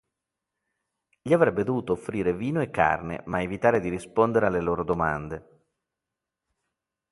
Gli avrebbe dovuto offrire vino e carne, ma evitare di rispondere alle loro domande.